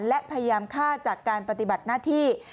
และพยายามฆ่าจากการปฏิบัติหน้าที่